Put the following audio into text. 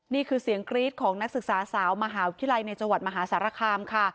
นี่คือเสียงกรี๊ดของนักศึกษาสาวมหาวิทยาลัยในจังหวัดมหาสารคามค่ะ